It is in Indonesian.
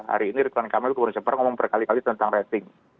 hari ini ridwan kamil kemarin sempat ngomong berkali kali tentang rating